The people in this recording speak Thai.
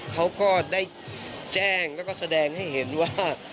เขาก็ได้แจ้งแล้วก็แสดงให้เห็นว่า